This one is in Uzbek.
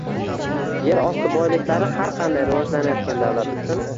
yer osti boyliklari har qanday rivojlanayotgan davlat uchun